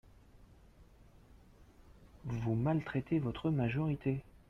Vous maltraitez votre majorité